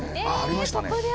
あっ、ありましたね。